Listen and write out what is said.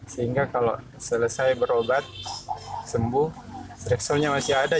sehingga kalau selesai berobat sembuh reksonya masih ada